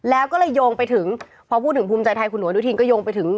แล้วก็เลยโยงไปถึงพอพูดถึงภูมิใจไทยคุณหนุนก็โยงไปถึง